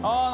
あ！